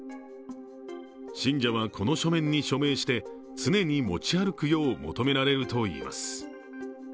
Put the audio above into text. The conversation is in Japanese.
信者はこの書面に署名して、常に持ち歩くよう求められるといいます。